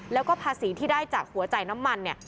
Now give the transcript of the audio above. แล้วก็ภาษีที่ได้จากหัวใจน้ำมันเนี่ย